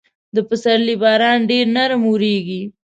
د پسرلي باران ډېر نرم اورېږي.